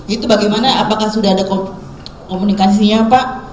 itu bagaimana apakah sudah ada komunikasinya pak